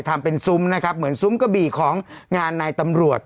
ทำเป็นซุ้มนะครับเหมือนซุ้มกระบี่ของงานในตำรวจ